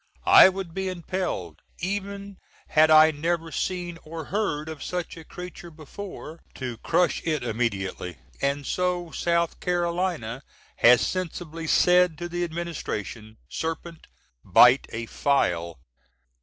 I would be impelled, even had I never seen or heard of such a creature before, to crush it immediately, & so S.C. has sensibly said to the Administration "_Serpent, bite a file!